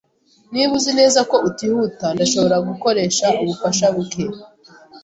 Niba uzi neza ko utihuta, ndashobora gukoresha ubufasha buke.